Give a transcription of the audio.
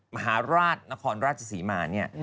มหาราชนครราชศรีมาเนี่ย